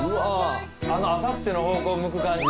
あのあさっての方向向く感じ。